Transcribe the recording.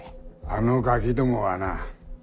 あのガキどもはな